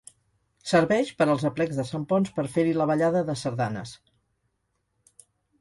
Serveix per als aplecs de Sant Ponç per fer-hi la ballada de sardanes.